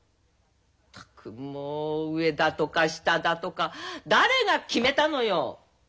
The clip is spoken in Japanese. ったくもう上だとか下だとか誰が決めたのよ！